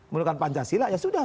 menurutkan pancasila ya sudah